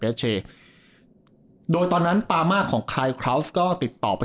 เชย์โดยตอนนั้นปามาของคายคราวส์ก็ติดต่อไป